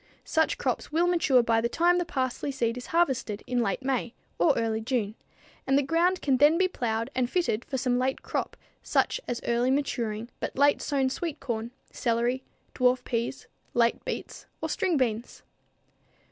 Such crops will mature by the time the parsley seed is harvested in late May or early June, and the ground can then be plowed and fitted for some late crop such as early maturing but late sown sweet corn, celery, dwarf peas, late beets or string beans.